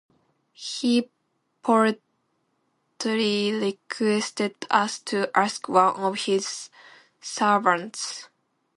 He politely requested us to ask one of his servants.